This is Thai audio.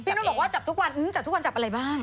นุ่นบอกว่าจับทุกวันจับทุกวันจับอะไรบ้าง